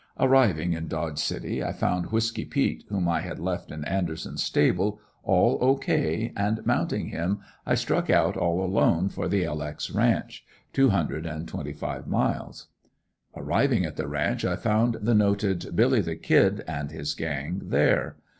Arriving in Dodge City, I found Whiskey peet, whom I had left in Anderson's stable, all O. K., and mounting him I struck out all alone for the "L. X." ranch, two hundred and twenty five miles. Arriving at the ranch I found the noted "Billy the Kid" and his gang there.